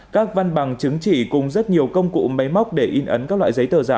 các văn bằng chứng chỉ cùng rất nhiều công cụ máy móc để in ấn các loại giấy tờ giả